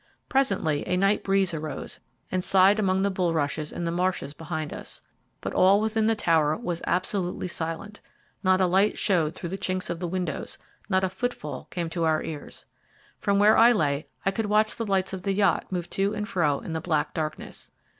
Presently a night breeze arose and sighed among the bulrushes in the marshes behind us. But all within the tower was absolutely silent not a light showed through the chinks of windows, not a footfall came to our ears. From where I lay, I could watch the lights of the yacht move to and fro in the black darkness.